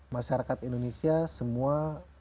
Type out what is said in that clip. masyarakat indonesia semua